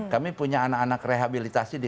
kami punya anak anak rehabilitasi di